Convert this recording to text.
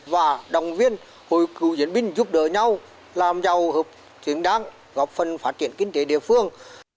và đồng viên hội cựu chiến binh giúp đỡ nhau làm giàu hợp chính đáng